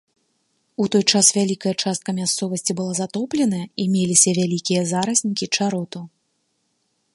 У той час вялікая частка мясцовасці была затопленая і меліся вялікія зараснікі чароту.